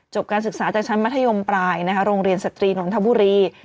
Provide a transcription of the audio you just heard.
การศึกษาจากชั้นมัธยมปลายโรงเรียนสตรีนนทบุรี